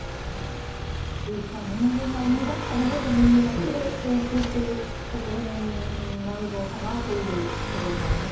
デーブさん人間が生み出したもので人間が苦労していくというところになるのかなというところもあります。